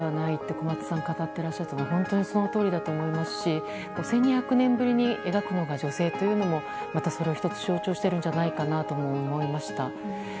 祈る心に差別はないと小松さんが語っていらっしゃったのが本当にそのとおりだと思いますし１２００年ぶりに描くのが女性というのもまたそれを象徴しているんじゃないかなと思いました。